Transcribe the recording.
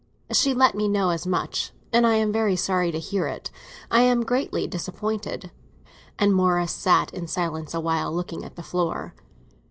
"She let me know as much, and I was very sorry to hear it. I am greatly disappointed." And Morris sat in silence awhile, looking at the floor.